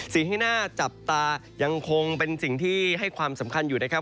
สิ่งที่น่าจับตายังคงเป็นสิ่งที่ให้ความสำคัญอยู่นะครับ